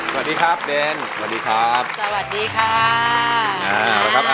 สวัสดีครับเบ้นสวัสดีครับ